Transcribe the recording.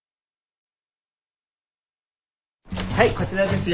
はいこちらですよ。